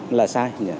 đó là sai